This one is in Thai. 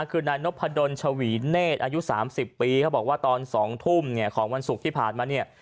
คือนายนพดลชวีเนธอายุ๓๐ปีเขาบอกว่าตอน๒ทุ่มเนี่ยของวันศุกร์ที่ผ่านมาเนี่ย